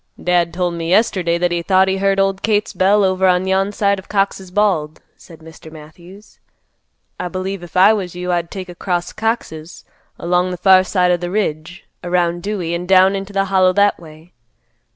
"Dad told me yesterday that he thought he heard old Kate's bell over on yon side of Cox's Bald," said Mr. Matthews; "I believe if I was you I'd take across Cox's, along the far side of th' ridge, around Dewey an' down into the Hollow that way.